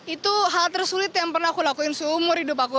itu hal tersulit yang pernah aku lakuin seumur hidup aku